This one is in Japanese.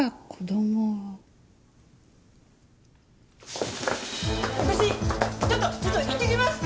私ちょっとちょっと行ってきます！